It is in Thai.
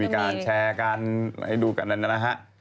มีการแชร์กันให้ดูกันนั้นนะฮะ